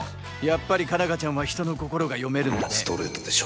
やっぱり佳奈花ちゃんは人の心が読めるんだね。